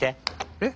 えっ？